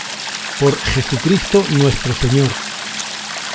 Por Jesucristo Nuestro Señor.